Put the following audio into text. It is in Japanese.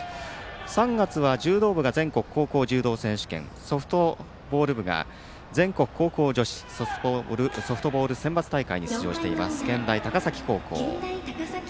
３月は柔道部が全国高校柔道選手権ソフトボール部が全国高校女子ソフトボール選抜大会に出場しています、健大高崎高校。